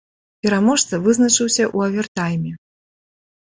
Пераможца вызначыўся ў авертайме.